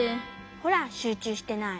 ほらしゅうちゅうしてない。